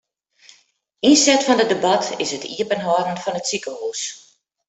Ynset fan it debat is it iepenhâlden fan it sikehûs.